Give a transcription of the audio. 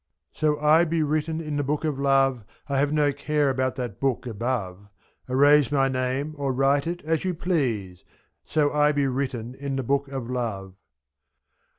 47 So I be written in the Book of Love, I have no care about that book above; ?9. Erase my name, or w^rite it, as you please — So I be w^ritten in the Book of Love.